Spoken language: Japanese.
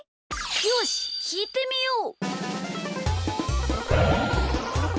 よしきいてみよう！